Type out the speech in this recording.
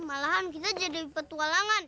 malahan kita jadi petualangan